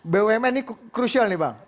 bumn ini penting bang